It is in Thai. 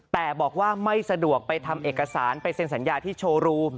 แต่บอกว่าไม่สะดวกไปทำเอกสารไปเซ็นสัญญาที่โชว์รู